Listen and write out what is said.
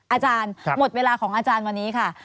อาจารย์หมดเวลาของอาจารย์วันนี้ค่ะ